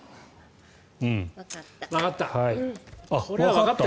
わかった。